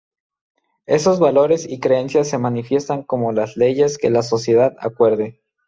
Esos valores y creencias se manifiestan como las leyes que la sociedad acuerde.